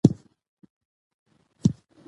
د قانون اطاعت نظم جوړوي